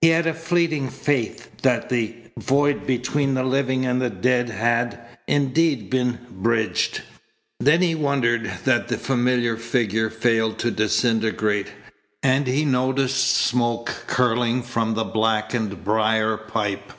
He had a fleeting faith that the void between the living and the dead had, indeed, been bridged. Then he wondered that the familiar figure failed to disintegrate, and he noticed smoke curling from the blackened briar pipe.